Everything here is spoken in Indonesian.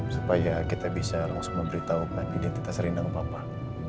supaya kita bisa langsung memberitahukan identitas rena ke bapak